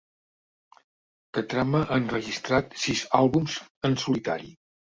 Katrama ha enregistrat sis àlbums en solitari.